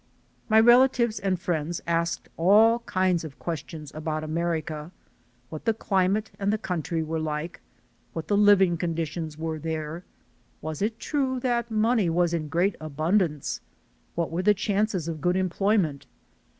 My relatives and friends asked all kinds of ques tions about America; what the climate and the country were like; what the living conditions were there; was it true that money was in great abun dance; what were the chances of good employment?